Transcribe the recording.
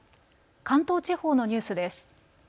関東地方のニュースです。